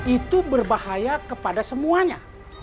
itu berbahaya kepada semuanya